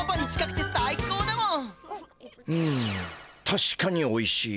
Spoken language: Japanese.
たしかにおいしい。